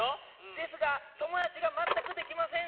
ですが友達が全くできません。